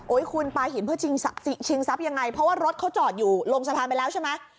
คุณปลาหินเพื่อชิงทรัพย์ยังไงเพราะว่ารถเขาจอดอยู่ลงสะพานไปแล้วใช่ไหม